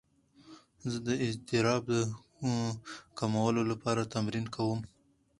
زه د اضطراب د کمولو لپاره تمرین کوم.